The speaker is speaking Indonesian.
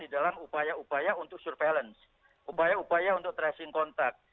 di dalam upaya upaya untuk surveillance upaya upaya untuk tracing contact